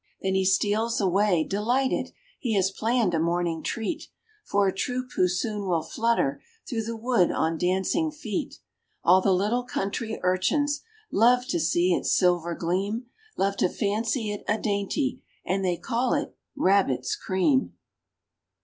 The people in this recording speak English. Then he steals away, delighted; He has planned a morning treat For a troop who soon will flutter Through the wood, on dancing feet; All the little country urchins Love to see its silver gleam— Love to fancy it a dainty, And they call it "rabbit's cream."